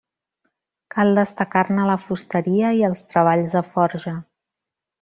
Cal destacar-ne la fusteria i els treballs de forja.